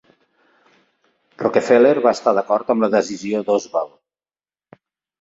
Rockefeller va estar d'acord amb la decisió d'Oswald.